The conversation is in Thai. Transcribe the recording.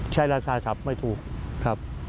ราชาขับไม่ถูกครับ